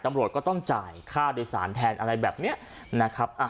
ตำรวจก็ต้องจ่ายค่าโดยสารแทนอะไรแบบนี้นะครับ